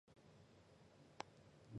她还留下了现在的住址。